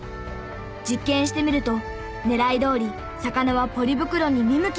実験してみると狙いどおり魚はポリ袋に見向きもしません。